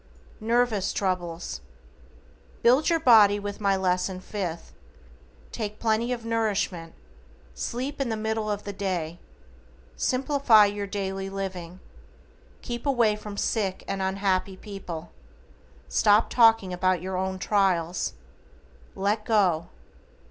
=NERVOUS TROUBLES:= Build your body with my Lesson Fifth. Take plenty of nourishment, sleep in the middle of the day, simplify your daily living, keep away from sick and unhappy people, stop talking about your own trials. LET GO.